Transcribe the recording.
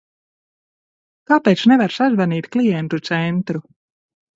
Kāpēc nevar sazvanīt klientu centru?